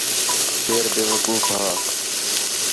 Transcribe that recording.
شیر بیوقوف ہا